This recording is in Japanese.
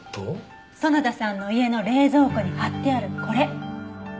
園田さんの家の冷蔵庫に貼ってあるこれ。